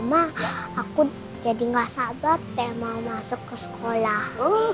mak aku jadi gak sabar deh mau masuk ke sekolah